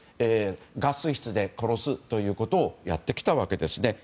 ガス室で殺すということをやってきたわけです。